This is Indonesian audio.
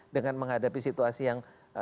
dengan menghadapi situasi yang